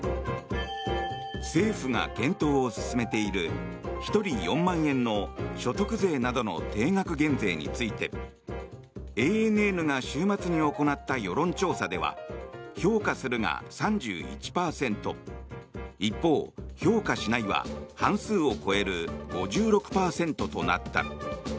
政府が検討を進めている１人４万円の所得税などの定額減税についてＡＮＮが週末に行った世論調査では評価するが３１％一方、評価しないは半数を超える５６％となった。